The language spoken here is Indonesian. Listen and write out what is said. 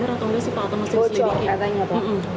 bocor katanya pak